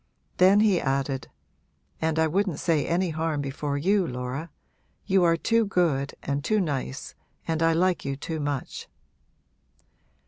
Then he added, 'And I wouldn't say any harm before you, Laura. You are too good and too nice and I like you too much!'